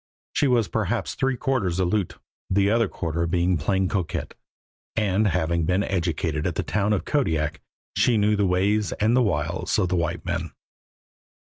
She was perhaps three quarters Aleut, the other quarter being plain coquette, and, having been educated at the town of Kodiak, she knew the ways and the wiles of the white man.